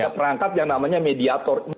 perangkat yang namanya mediator